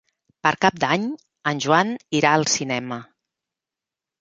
Per Cap d'Any en Joan irà al cinema.